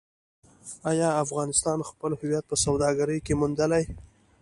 آیا افغانستان خپل هویت په سوداګرۍ کې موندلی؟